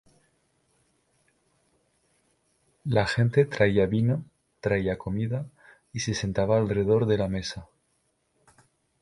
La gente traía vino, traía comida y se sentaba alrededor de la mesa.